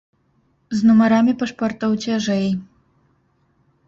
З нумарамі пашпартоў цяжэй.